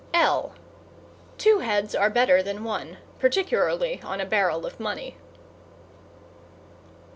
L Two heads are better than one particularly on a Barrel of Money.